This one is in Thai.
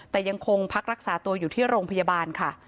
แต่ยังคงพักรักษาตัวอยู่ที่โรงพยาบาลค่ะ